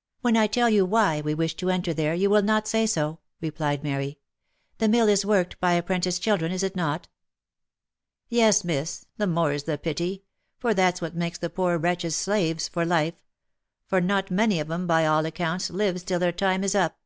'* When I tell you why we wish to enter there you will not say so," replied Mary. " The mill is worked by apprentice children, is it not?" " Yes, miss, the more's the pity — for that's what makes the poor wretches slaves for life — for not many of 'em, by all accounts, lives till their time is up."